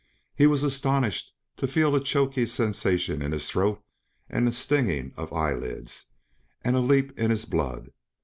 He was astonished to feel a choky sensation in his throat and a stinging of eyelids, and a leap in his blood.